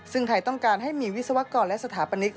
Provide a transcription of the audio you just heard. ซึ่งไทยต้องการให้มีวิศวกรและสถาปนิก